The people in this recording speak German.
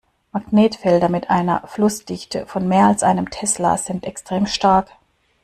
Magnetfelder mit einer Flussdichte von mehr als einem Tesla sind extrem stark.